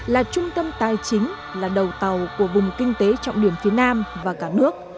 là trung tâm tài chính là đầu tàu của vùng kinh tế trọng điểm phía nam và cả nước